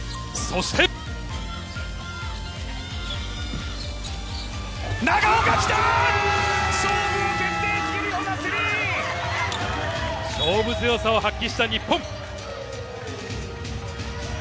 づけ勝負強さを発揮した日本。